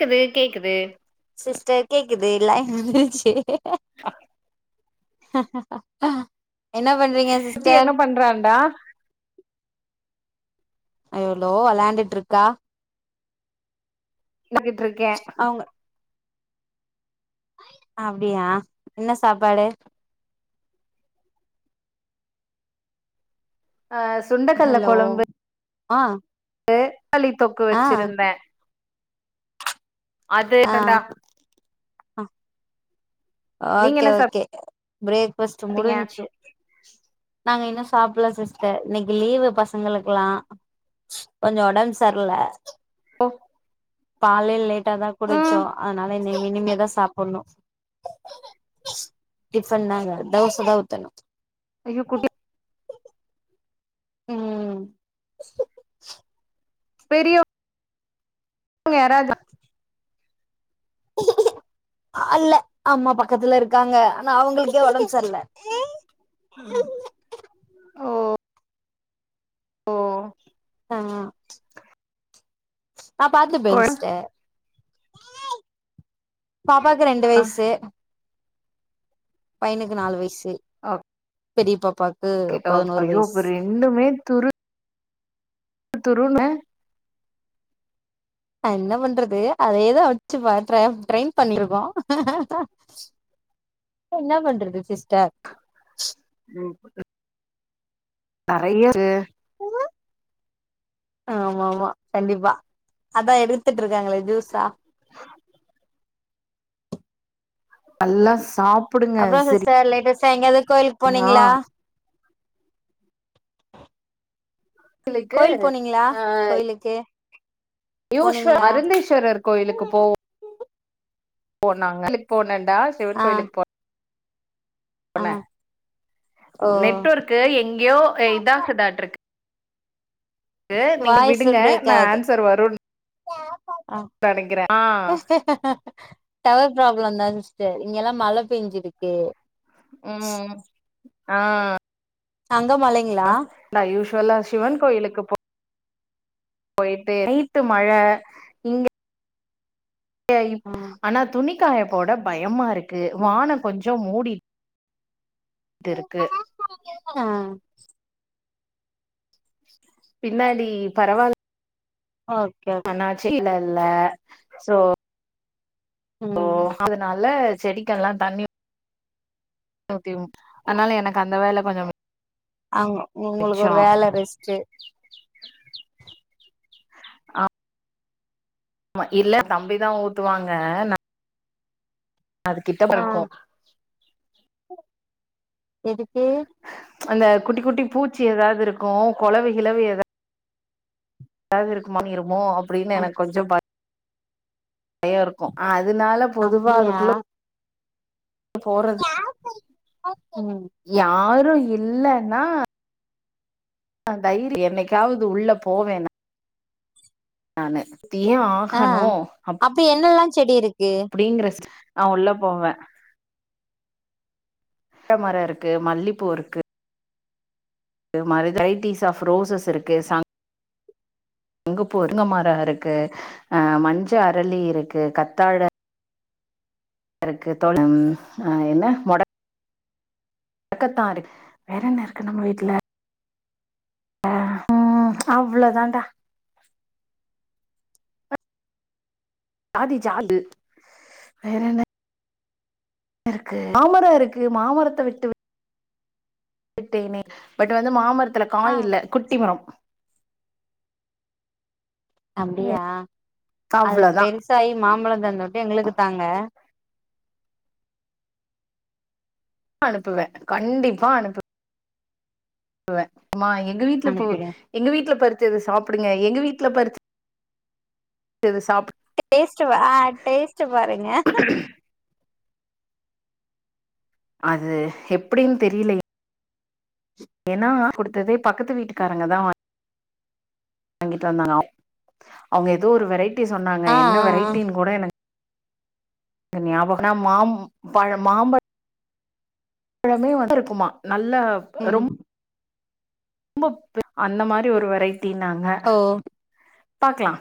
கேக்குது கேக்குது சிஸ்டர் கேக்குது லைன் வந்துருச்சி [unintelligible] பண்றீங்க சுத்தி சிஸ்டர் என்ன பண்றடா எ்ளோ அளையாண்டுட்டு இருக்கா [unintelligible] இருக்கே அவங்க அப்டியா என்ன சாப்பாடு அ சுண்டக்கல்ல ஹலோ கொழம்பு ஆ [unintelligible] பளி தொக்கு ஆ வச்சிருந்தே ஆ அதுட்டண்டா ஓகே ஓகே பிரேக்பாஸ்ட்ட் சாப்ட்டீங்க முடிஞ்சு நாங்க இன்னும் சாப்பிடல சிஸ்டர் இன்னைக்கு லீவு பசங்களுக்கெல்லா கொஞ்சோ ஒடம்பு சரல ஓ கலைய லேட்டாாதான் க் குளிச்சோ ம் அதனால இன இனிமேதா சாப்பிடணு டிஃபன் த தோசை தான் ஊத்தணு அ குட்ட ம் பெரிய யாரஜா அல்ல அம்மா பக்கத்துல இருக்காங்க ஆனா அவங்களுக்கே ஒடம்ப சர்ல ம் ஒ ஆ நா பாத்து கொழ பென்ஸ்டே பாப்பாக்கு ரெண்டு ஆ வயசு பையனுக்கு நாலு வயசு ஆ பெரிய பாப் ஓகே ஆ ஐயோ அப்ப ரெண்டுமே துரு தரூன்னு நா என்ன பண்றது அதேதா வெச்சு பா ட்ரா ட்ரெயின் பண்ணிருக்கோ என்ன பண்றது சிஸ்டர் உம் நெறைய ஆமா ஆமா கண்டிப்பா அதா எடுத்துட்டு இருக்காங்களே ஜூஸா அல்லா சாப் அதா சிஸ்டர் லேட்டஸ்ட் சாய்ங்காலத் கோயிலுக் சரியா போனீங்களா கோயிலுக்கு கோயில் போனீங்களா கோயிலுக்கு போனீங்களா மருந்தீஷ்வரர் கோயிலுக்குப் போவோ போனாங்க போன நா சிவன் ஆ கோயிலுக்கு போன் ஆ போன ஓ நெட்வொர்க்கு எங்கேயோ இதாகுதாட்டுருக்கு கு நீங்க வாய்ஸு விடுங்க பிரேக் நா ஆகுது ஆன்சர் வருன் ஆ ஆஹ் டவர் ப்ராப்ளம் தா சிஸ்டர் இங்கெல்லா மழ பெஞ்சிருக்கு உம் ஆஹ் அங்க மழைங்களா வலா சிவன் கோயிலுக்கு போ போயிட்டு நைட்டு மழ இங்க பே இப் ம் ஆனா துணி காயப்போட பயமாருக் கு ம் வானோ கொஞ் சோ மூடி டுருக்கு ஆ பின்னாடி பரவால் ஓகே ஓகே இல்ல சோ சோ ம் அதுனால செடிக்கெல்லா தண்ணி ஊத்திவு அதனால எனக்கு அந்த வேல கொஞ்சோ மி அவுங்க உங்களுக்கு ஒரு வேள ரெஸ்ட்டு ஆமா இல்ல தம்பிதா ஊத்துவாங்க ந அது கிட்ட ஆ [unintelligible] கோ எதுக்கு அந்த குட்டி குட்டி பூச்சி எதாவ்து இருக்கம் கொளவி கிழவி எதா தாவுதுருக்கமாமி இருமோ அப் அப்டினு எனக்கு கொஞ்சோ ப பயோருக்கு ஆ அது இதுனால பொதுவா அப்டியா அதுக்குள்ள ப்ப போறது ம் யார் ரு இல்லனா ஆ தைரி என்னைக்காவது உள்ள போவேன நானு தியே ஆ ஆகணு அப் அப்ப என்னெல்லா செடி இருக் அப்டிங்கறெஸ்டு அவ உள்ள போவே அரச மர இருக்கு மல்லிப்பூ இருக்கு இது மாரி வெரைட்டிஸ் ஆஃப் ரோஸஸ் இருக்கு சங் அங்குப்புூ உருங்கமரா இருக்கு ஆ மஞ்ச அரளி இருக்கு கத்தாழ இருக்கு என்ன மொட க்கத்தான்ரு வேற என்ன இருக்கு நம்ம வீட்டு்ல ஆ ம் அவ்வளவு தான்டா ஜாதி ஜாதி வேற என்ன இருக்கு மாமரம் இருக்கு மாமரத்தை விட்டு ட்டநே பட் வந்து மாமர த்துல ஆ காய இல்ல குட்டி மரம் அப்படியா அது அவ்ளோதா பெருசாயி மாம்பழம் [unintelligible] எங்களுக்கு தாங்க அனுப்புவேன் கண்டிப்பா அனுப்புவேன் வேன் மா எங்க வீட்ல பூ அனுப்பிடுங்க எங்க வீட்ல பருச் இத சாப்புடுங்க எங்க வீட்ல பருச் சது சாப் டேஸ்டு ஆ டேஸ்டு பாருங்க அது எப்டீன்னு தெரியுல ஏன்னா குடுத்ததேப் பக்கத்து வீட்டுக்காரங்க தா வாங் வாங்கிட்டு வந்தானோ அவுங்க ஏதோ ஒரு வெரைட்டி சொன்னாங்க ஆ ஆ என்ன ஆ வெரைட்டினு கூட எனக் கு ஞாபகம் பழமே வந்து இருக்குமா நல்லா ம் ரொம் ரொம்ப அந்த மாரி ஒரு வெரைட் ட்டினாங்க ஓ பாக்கலா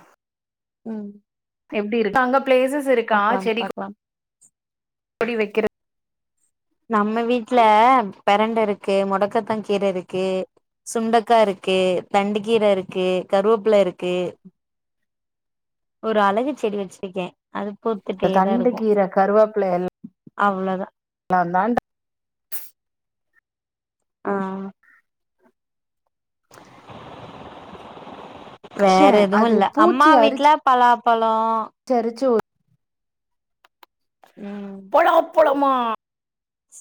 ம் எப்படி இருக்கு அங்கப் பிளேசஸ் இருக்கா பாக்கலாம் செரி பாக்கலாம் எப்படி வெக்குறது நம்ம வீட்ல பெரண்ட இருக்கு முடக்கத்தா கீர இருக்கு சுண்டக்கா இருக்கு தண்டு கீர இருக்கு கருவேப்பில இருக்கு ஒரு அழகு செடி வெச்சிருக்கே இந்த தண்டு கீர கருவேப்பில எல் அவ்ளதா அந்தான்ட ஆ [inaudible] வேற வச்சேன் எதுவோ இல்ல அம்மா வீட்ல பலாப் சரிச்சு ஒரு ம் போலாமா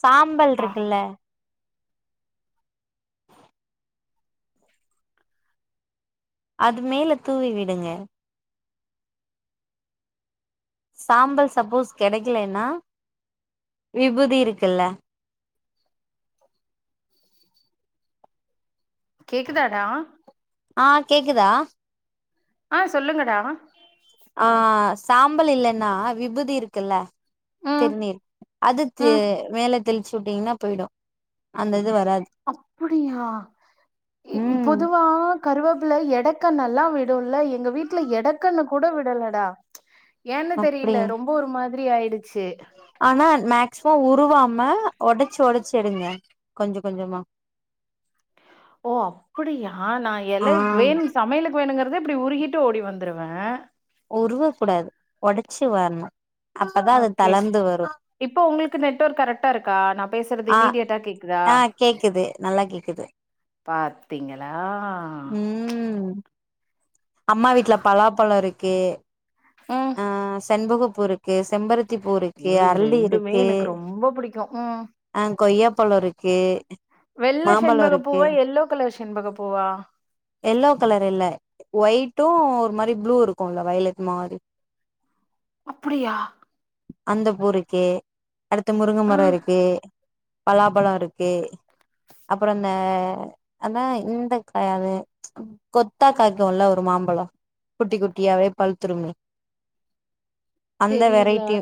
சாம்பல்ருக்குல்ல அது மேல தூவி விடுங்க சாம்பல் சப்போஸ் கெடைக்கலேன்னா விபூதி இருக்குல்ல கேக்குதாடா ஆ கேக்குதா ஆ சொல்லுங்கடா ஆ சாம்பல் இல்லன்னா விபூதி இருக்குல்ல ம் திருநீர் அது தி ம் மேல தெள்ச்சு விட்டீங்ன்னா போய்டு அந்த இது வராது அப்புடியா இ ம் பொதுவா கருவேப்புல எட கன் நல்லா விடுல்ல எங்க வீட்டுல எடக்கன்னு கூட விடலடா ஏன்னு தெரியில அப்டியா ரொம்ப ஒரு மார் த்ரி ஆய்டு ஆனா மேக்ஸ்மம் உருவாம் ம ஒடச்சு ஒடச்சு எடுங்க கொஞ்சொ கொஞ்சமா ஓ அப்புடியா நா ஆ எல வேண் சமையலுக்கு வேணுங்க க்குவே இப்பிடி உருகிட்டு ஓடி வந்துருவே உருவ கூடாது ஒடச்சு வர்ணு ஓகே இப்ப உங்களுக்கு நெட்ஒர்க் கரெக்ட்டா இருக்கா நா பேசுறது ஆ இமீடியட்டா கேக்குதா ஆ கேக்குது நல்லா கேக்குது பாத்தீங்களா ச் ம் அம்மா வீட்ல பலாப்பழொ இருக்கு ம் செண்பகப்பூருக்கு செம்பருத்திப்பூ இருக்கு ஐயோ இது அரளி ரெண்டுமே இருக்கு எனக்கு ரொம்ப புடிக்கு ம் அஹ் கொய்யாப் ப்பழொ இருக்கு வெள்ள மாம்பழோ ஷெண்பக இருக்கு பூவா எல்லோ கலர் செண்பக பூவா ஒய்ட்டும் ஒரு மாரி ப்ளூ இருக்குல்ல வய்லட் மாரி அப்புடியா அந்த பூருக்கு அடுத்து முருங்க ஆ மரொ இருக்கு பலாபழொ இருக்கு அப்பறொ இந்த அதான் இந்த காய்யா அது கொத்தா காய்க்குல ஒரு மாம்பழம் குட்டி குட்டியாவே பழுத்துருமே அந்த தெரில வெரைட்டி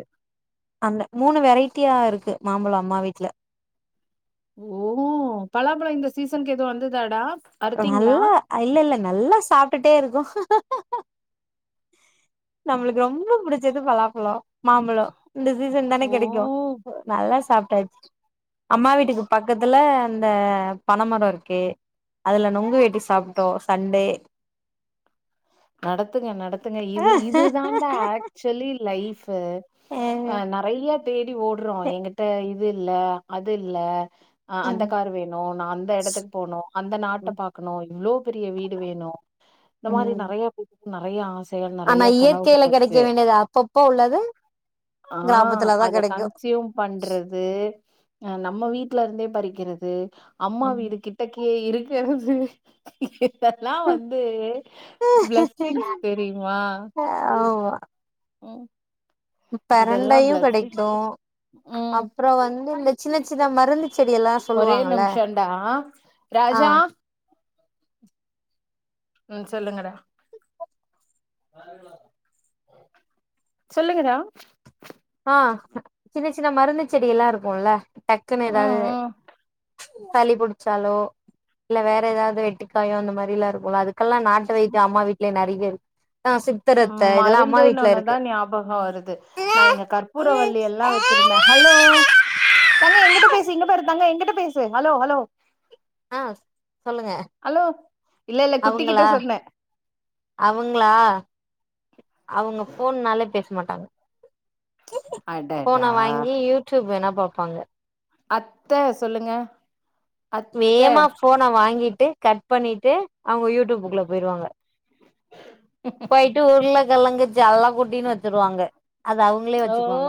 அந்த மூணு வெரைட்டியா இருக்கு மாம்பழம் அம்மா வீட்டுல ஓ பலாம்பழொ இந்த சீசனுக்கு எதுவு வந்துதாடா அறுத்தீங்களா வல்லா அ இல்ல இல்ல நல்லா சாப்பிட்டுட்டே இருக்கோ நம்மளுக்கு ரொம்ப புடிச்சது பலாப்பழொ மாம்பழொ இந்த சீசன் தானே ஓ கெடைக்கு நல்லா சாப் அம்மா வீட்டுக்கு பக்கத்துல இந்த பனமரொ இருக்கு அதுல நுங்கு வெட்டி சாப்ட்டோ சண்டே நடத்துங்க நடத்துங்க இது இதுதான்டா ஆக்சுவலி லைஃப் அஹ் நெறைய பி ஓடுறோ எங்கட்ட இது இது இல்ல அது இல்ல அ அந்த கார் வேணு நா அந்த எடத்துக்கு போனு அந்த நாட்ட பாக்கணு இவ்வளோ பெரிய வீடு வேணு இந்த மாரி நா ம் நெறய ஆச ஆனா நிறைய இயற்கையில கனவுகள் கெடைக்க இருக்கு வேண்டியது அப்பப்போ உள்ளது ஆ கிராமத்துலதா அத கெடைக்கு கன்சூயும் பண்றது நம்ம வீட்டு ல இருந்தே பறிக்கிறது அம்மா வீடு கிட்ட க ஏ இருக்குது ல்லாம் வந்து பிளஸ்ஸிங்ஸ் தெரியுமா ம் இதெல்லா பெரண்டையும் பிளஸ்ஸிங்ஸ் கிடைக்கும் ம் அப்புறம் வந்து இந்த சின்ன சின்ன மருந்து செடி எல்லா ஒரே சொல்லுவாங்கல்ல நிமிஷடா ஆ ராஜா ம் சொல்லுங்கடா சொல்லுங்கா சின்ன சின்ன மருந்து செடி எல்லாம் இருக்கும்ல டக்குன்னு ஏதாவது ம் சளி புடிச்சாலோ இல்ல வேற ஏதாவது வெட்டிக்காயோ அந்த மாரி எல்லாம் இருக்கும் அதுக்கு மக்கல்லாம் நாட்டு வைத்தியம் அம்மா வீட்டுலய நிறைய [unintelligible] ம் மருந்துன்ன ஒன்னுதான் ஞாபகம் வருது நான் இங்க கர்ப் பறவள்ளி எல்லாம் வச்சிருந்தேன் ஹலோ தங்கம் எங்கிட்ட பேசி இங்க பாரு என்கிட்ட பேசு ஹலோ ஹலோ ஆ சொல்லுங்க ஹலோ இல்ல இல்ல குட்டி கிட்ட அவங்களா சொன்னே அவங்களா அவங்க போனனாலே பேச மாட்டாங்க அடடா ஃபோனை வாங்கி யூ டியூப் எதுனா பாப்பாங்க அத்த சொல்லுங்க அத்த வேமா ஃபோனை வாங்கிட்டு கட் பண்ணிட்டு அவுங்க யூடியூப்புக்குள்ள போயிருவாங்க போயிட்டு உருள கெழங்கு செல்ல குட்டினு வச்சிருவாங்க அது அவுங்களே ஓ வச்சுக்குவாங்க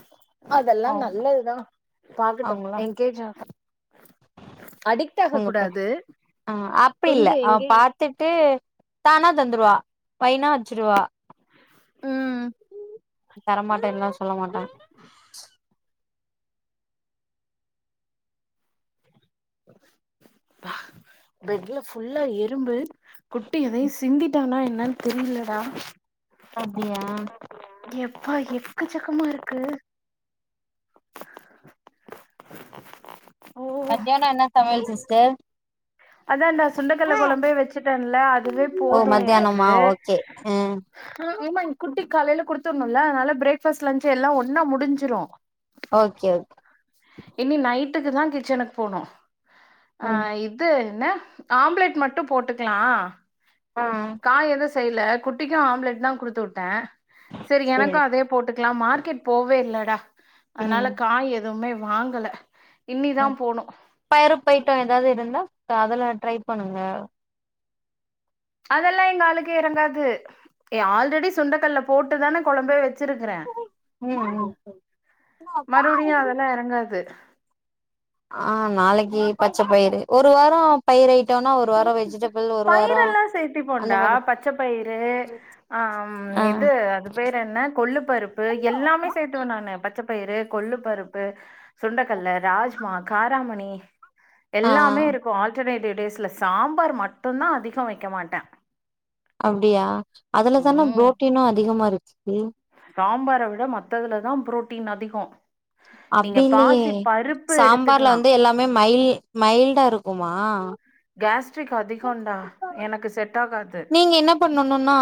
[inaudible] அதெல்லாம் அவங்க நல்லதுதான் பாக்கட்டும் என்கேஜ் ஆகாது உங்கப் பெ கூடாது ஆ அப்டி கொஞ்சோ இல்லை அவ எங்கேஜ் பாத்துட்டு தானா தந்துருவா வைனா வச்சுருவா உம் தரமாட்டேனுலாச் சொல்ல மாட்டா பஹ் பெட்ல ஃபுல்லா எறும்பு குட்டி எதையு சிந்திட்டானா என் னான்னு தெரிலடா அப்டியா எப்பா எக்கச் சக்கமா இருக்கு ஓ மத்தியானொ என்ன சமையல் சிஸ்டர் அதான்டா சுண்டக்கட்ல கொழம்பே வச்சுட்டேன்ல அதுவே ஓ போது எனக்கு மத்தியானமா ஓகே ம் ஹா ஏம்மா இன் குட்டி காலைல குடுத்துர்னுல்ல அதனால ப்ரேக் ஃபாஸ்ட் லன்ச் எல்லா ஒன்னா முடிஞ்சிரு ஓகே ஓகே இனி நைட்டுக்கு தா கிச்சனுக்கு போனு ம் ஆஹ் இப் என்ன ஆம்ப்லேட் மட்டு போட்டுக்லா ஆ காய் எது ச் செய்ல குட்டிக்கு ஆம்லெட் தா குடுத்து விட்டே சேரி எனக்கு அதே போட்டு குலா மார்க்கெட் போவே இல்லடா அதனால ம் காய் எ துவுமே வாங்கல இன்னிதா ம் போனு பயறு போயிட்டொ எதாவது இருந்தா அதெல்லா ட்ரை பண்ணுங்க அதெல்லா எங்க ஆளுக்கு எறங்காது ஏ ஆல்ரெடி சுண்டக்கட்ல போட்டு தான கொளம்பே வச் சிருக்குற ம் ம் மறுபடியு அதெல்லா எறங்காது ஆஹ் நாளைக்கு பச்ச பயிறு ஒரு வாரொ பயிர ஐயிட்டோனா ஒரு வாரொ வெசஜிடே பயிரெல்லா சேத்திப்போன்டா பச்ச பயிறு ஆஹம் ஆ இது அது பேறு என்ன கொள்ளு பருப்பு எல்லாமே சேத்துவெ நானு பச் சபயிறு கொல்லு பருப்பு சுண்டகல்ல ராஜ்மா காராமணி ஆ எல்லாமே இருக்கு ஆல்டர்னேட்டிவ் டேஸ்ல சாம்பார் மட் டுதா அதிக வைக்க மாட்டே அப்டியா அதுல தானே ம் ப்ரோட்டீனு அதிகமா இரு ம் சாம்பார விட மத்ததுல தா ப்ரோட்டீன் அதிகொ அப்டி இல்லையே சாம்பார்ல எடுத்துக்கலா வந்து எல்லாமே மைல் மைல்டா இருக்கூ க்குமா கேஸ்ட்ரிக் அதிக கொண்டா எனக்கு செட் ஆகாது நீங்க என்ன பண்ணனும்னா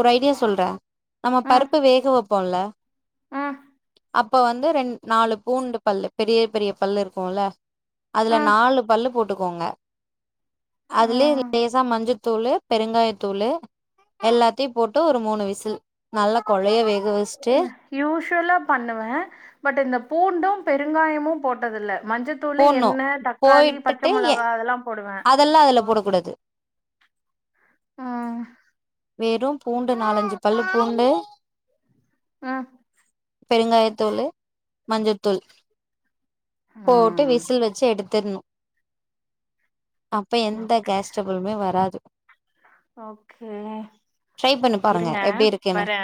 ஒரு ஐடியா சொல்றே நம்ம ம் பருப்பு வேக வ போல ம் அப்ப வந்து ரெண் நாலு பூண்டு பல்லு பெரிய பெரிய பல்லு இருக்குல அதுல ம் நாலு பல்லு போட் ட்டுக்கோங்க அதுலயே ம் லேசா மஞ்சத்தூளு பெருங்காயத்தூலு எல்லாத்தையு போட்டு ஒரு மூணு விசில் நல்லா குழைய வேக வச்சுட்டு இல்ல யூஷ் மத்ததெல்லா பண்ணுவே பட் இந்த பூண்டும் பெருங்காயமு போட்டதில்ல மஞ்சத்தூளு போட்ணு எண்ண தக்காளி பச்ச போயிட்டுட்டு மொளகா அதெல்லாம் போடுவே கூடது ம் வெறும் பூண்டு நாலஞ்சு பல்லு பூண்டு ம் பெருங்காயத்தூளு மஞ்சத்தூள் போட்டு ம். விசில் வச்சு எடுத்தர்னு அப்ப எந்த ஓகே. கேஸ் ட்ரபுள்மே வராது ஓகே ட்ரை பண்ணி பாருங்க இருங்க எப்டி இருக்குன்னு வரே